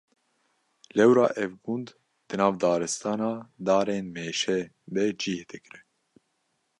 Lewra ev gund di nav daristana darên mêşe de cih digire.